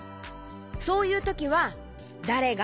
そういうときは「だれが」